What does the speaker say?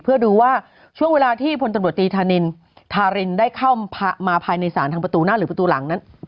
เพื่อดูว่าช่วงเวลาที่พลตำรวจตีธานินทารินได้เข้ามาภายในศาลทางประตูหน้าหรือประตูหลังนั้น